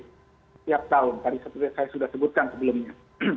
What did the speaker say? setiap tahun tadi seperti saya sudah sebutkan sebelumnya